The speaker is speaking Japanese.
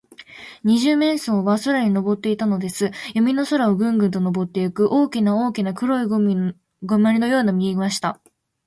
二十面相は空にのぼっていたのです。やみの空を、ぐんぐんとのぼっていく、大きな大きな黒いゴムまりのようなものが見えました。